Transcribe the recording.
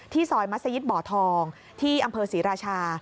ที่ซอยมัศยิษฐ์บ่อทองที่อำเภอสีราชา